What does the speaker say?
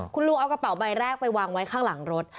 คุณลุงเอากระเป๋าใบแรกไปวางไว้ข้างหลังรถ